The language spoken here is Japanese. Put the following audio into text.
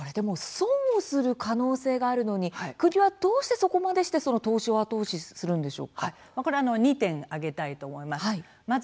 損をする可能性があるのに国は、どうしてそこまでして投資をこれは２点挙げたいと思います。